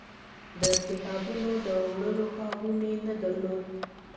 د کتابونو د وړلو کابو مې نه درلود.